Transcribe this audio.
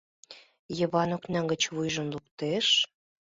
Йыван окна гыч вуйым луктеш.